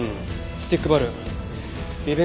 スティックバルーン。